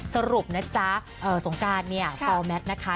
สรุปนะจ๊ะสงการฟอลล์แมทนะคะ